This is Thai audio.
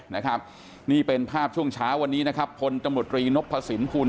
นะครับนี่เป็นภาพช่วงเช้าวันนี้นะครับพลตำรวจรีนพสินภูล